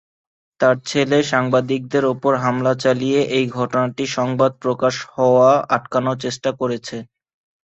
তার ছেলে সাংবাদিকদের উপর হামলা চালিয়ে এই ঘটনাটি সংবাদ প্রকাশ হওয়া আটকানোর চেষ্টা করছে।